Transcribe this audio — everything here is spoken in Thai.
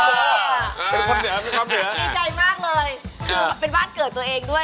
ดีใจมากเลยคือเป็นบ้านเกิดตัวเองด้วย